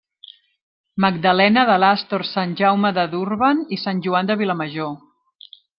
Magdalena de l'Astor Sant Jaume de Durban i Sant Joan de Vilamajor.